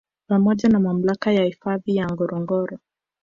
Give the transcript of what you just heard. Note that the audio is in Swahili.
Pamoja na Mamlaka ya Hifadhi ya Ngorongoro